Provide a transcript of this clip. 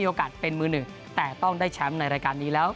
โอกาสเป็นมือหนึ่งแต่ต้องได้แชมป์ในรายการนี้แล้ว